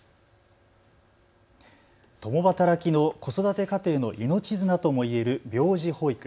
共働きの子育て家庭の命綱ともいえる病児保育。